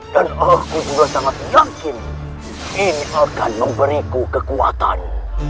dan aku juga sangat yakin ini akan memberiku kekuatan